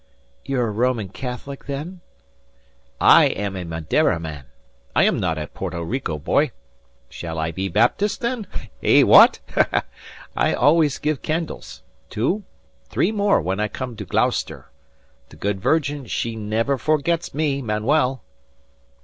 "You're a Roman Catholic, then?" "I am a Madeira man. I am not a Porto Pico boy. Shall I be Baptist, then? Eh, wha at? I always give candles two, three more when I come to Gloucester. The good Virgin she never forgets me, Manuel."